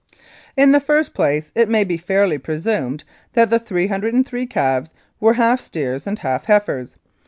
"In the first place, it may be fairly presumed that the 303 calves were half steers and half heifers.